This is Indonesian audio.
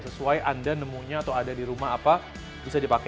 sesuai anda nemunya atau ada di rumah apa bisa dipakai